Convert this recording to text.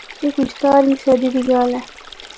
اے کوئی ستارویں صدی دی گل اے۔